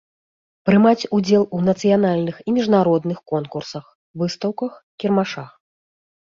Прымаць удзел у нацыянальных i мiжнародных конкурсах, выстаўках, кiрмашах.